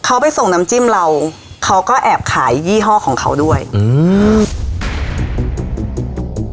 เขาไปส่งน้ำจิ้มเราเขาก็แอบขายยี่ห้อของเขาด้วยอืม